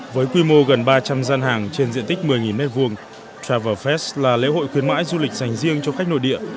với quy mô gần ba trăm linh gian hàng trên diện tích một mươi m hai travel fest là lễ hội khuyến mãi du lịch dành riêng cho khách nội địa